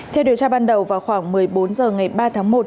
theo điều tra ban đầu vào khoảng một mươi bốn h ngày ba tháng một